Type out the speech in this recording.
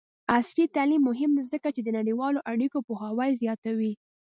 عصري تعلیم مهم دی ځکه چې د نړیوالو اړیکو پوهاوی زیاتوي.